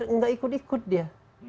enggak ikut ikut dia